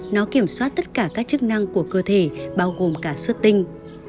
nó kiểm soát tất cả các chức năng của cơ thể bao gồm cả xuất tinh